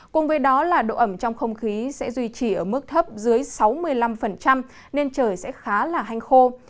cùng với đó là độ ẩm trong không khí sẽ duy trì ở mức thấp dưới sáu mươi năm nên trời sẽ khá là hanh khô